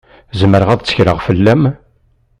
Zemreɣ ad tekkleɣ fell-am?